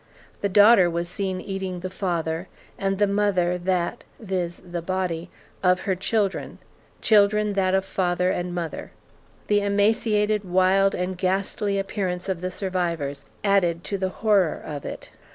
The daughter was seen eating the father; and the mother, that [viz. body] of her children; children, that of father and mother. The emaciated, wild, and ghastly appearance of the survivors added to the horror of it.